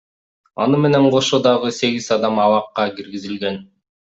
Аны менен кошо дагы сегиз адам абакка киргизилген.